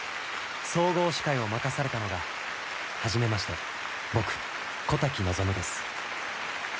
総合司会を任されたのがはじめまして僕小瀧望です。